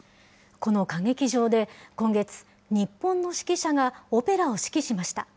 この歌劇場で今月、日本の指揮者がオペラを指揮しました。